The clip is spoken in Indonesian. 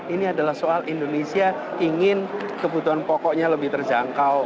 ini adalah soal indonesia ingin kebutuhan pokoknya lebih terjangkau